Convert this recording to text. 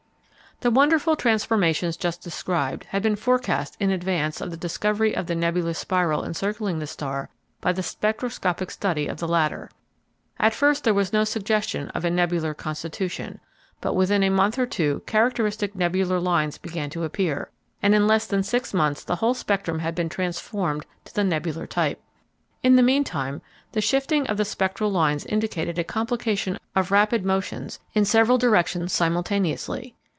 The wonderful transformations just described had been forecast in advance of the discovery of the nebulous spiral encircling the star by the spectroscopic study of the latter. At first there was no suggestion of a nebular constitution, but within a month or two characteristic nebular lines began to appear, and in less than six months the whole spectrum had been transformed to the nebular type. In the mean time the shifting of the spectral lines indicated a complication of rapid motions in several directions simultaneously.